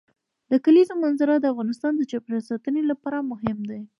د کلیزو منظره د افغانستان د چاپیریال ساتنې لپاره مهم دي.